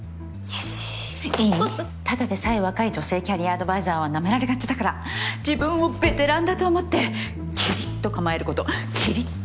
ただでさえ若い女性キャリアアドバイザーはナメられがちだから自分をベテランだと思ってきりっと構えることきりっと。